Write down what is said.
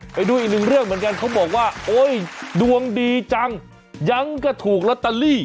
ไปดูอีกหนึ่งเรื่องเหมือนกันเขาบอกว่าโอ๊ยดวงดีจังยังก็ถูกลอตเตอรี่